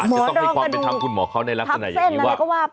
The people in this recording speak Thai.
จะต้องให้ความเป็นธรรมคุณหมอเขาในลักษณะอย่างนี้ว่า